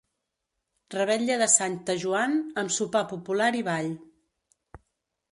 Revetlla de Santa Joan amb sopar popular i ball.